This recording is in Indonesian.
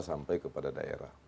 sampai kepada daerah